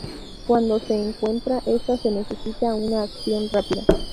Cuando se encuentra esta, se necesita una acción rápida.